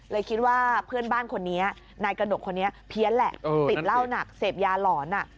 คิดว่าเพื่อนบ้านคนนี้นายกระหนกคนนี้เพี้ยนแหละติดเหล้าหนักเสพยาหลอน